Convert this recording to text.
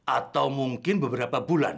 atau mungkin beberapa bulan